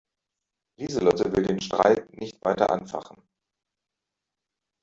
Lieselotte will den Streit nicht weiter anfachen.